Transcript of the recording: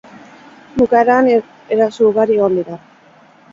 Bukaeran eraso ugari egon dira.